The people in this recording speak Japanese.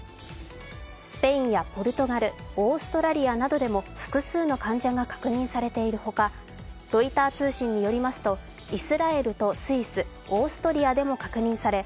スペインやポルトガル、オーストラリアなどでも複数の患者が確認されているほか、ロイター通信によりますとイスラエルとスイスオーストラリアでも確認され